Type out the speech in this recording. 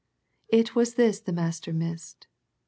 It was this the Master missed.